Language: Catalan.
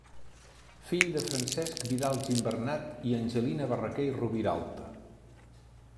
Fill de Francesc Vidal Gimbernat i Angelina Barraquer i Roviralta.